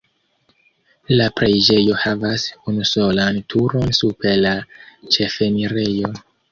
La preĝejo havas unusolan turon super la ĉefenirejo.